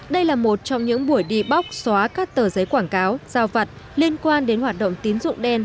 đây là một trong những buổi đi bóc xóa các tờ giấy quảng cáo giao vặt liên quan đến hoạt động tín dụng đen